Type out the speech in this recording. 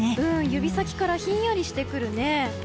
指先からひんやりしてくるね。